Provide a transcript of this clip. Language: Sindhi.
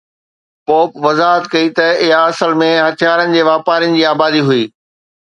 پوپ وضاحت ڪئي ته اها اصل ۾ هٿيارن جي واپارين جي آبادي هئي.